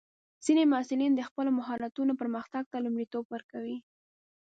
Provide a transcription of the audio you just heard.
ځینې محصلین د خپلو مهارتونو پرمختګ ته لومړیتوب ورکوي.